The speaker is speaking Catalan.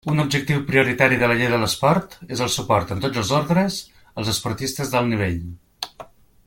Un objectiu prioritari de la Llei de l'Esport és el suport, en tots els ordres, als esportistes d'alt nivell.